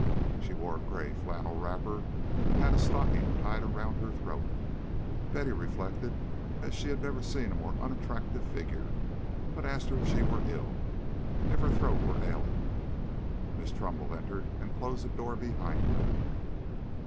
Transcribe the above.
She wore a grey flannel wrapper and had a stocking tied round her throat. Betty reflected that she never had seen a more unattractive figure, but asked her if she were ill if her throat were ailing Miss Trumbull entered and closed the door behind her.